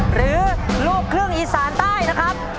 หรือรูปเครื่องอิสรรดิ์ใต้นะครับ